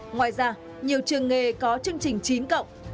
ngoài ra nhiều trường nghề có chương trình chín cộng